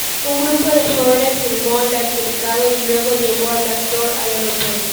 Un grupo de jóvenes filmó el altercado y luego llevó al actor al aeropuerto.